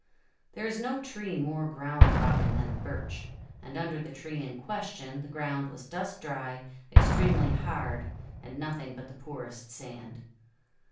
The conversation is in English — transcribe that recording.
There is no tree more ground robbing than a Birch, and under the tree in question the ground was dust dry, extremely hard, and nothing but the poorest sand.